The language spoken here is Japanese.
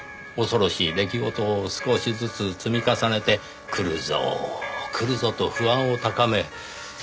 恐ろしい出来事を少しずつ積み重ねて来るぞ来るぞと不安を高め。